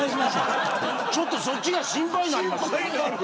ちょっとそっちが心配になりますね。